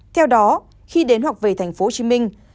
theo đó khi đến hoặc về tp hcm